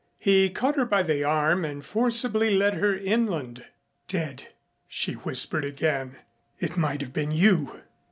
He caught her by the arm and forcibly led her inland. "Dead!" she whispered again. "It might have been you."